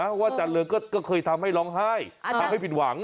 เพราะว่าอาจารย์เริงก็เคยทำให้ร้องไห้ทำให้ผิดหวัง